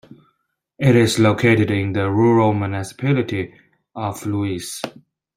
It is located in the Rural Municipality of Louise.